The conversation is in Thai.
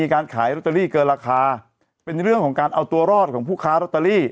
การขายลอตเตอรี่เกินราคาเป็นเรื่องของการเอาตัวรอดของผู้ค้ารอตเตอรี่